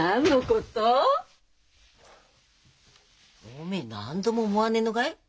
おめえ何とも思わねえのかい？